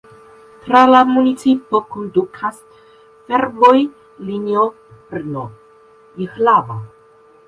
Tra la municipo kondukas fervojlinio Brno–Jihlava.